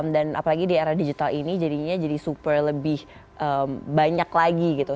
dan apalagi di era digital ini jadinya jadi super lebih banyak lagi gitu